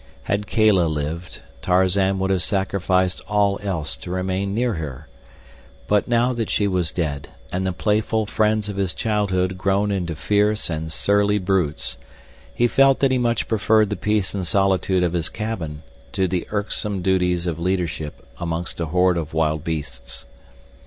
Had Kala lived, Tarzan would have sacrificed all else to remain near her, but now that she was dead, and the playful friends of his childhood grown into fierce and surly brutes he felt that he much preferred the peace and solitude of his cabin to the irksome duties of leadership amongst a horde of wild beasts.